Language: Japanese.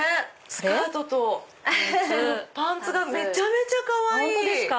スカートとパンツがめちゃめちゃかわいい！